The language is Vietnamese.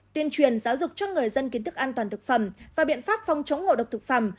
tuyên truyền giáo dục cho người dân kiến thức an toàn thực phẩm và biện pháp phòng chống ngộ độc thực phẩm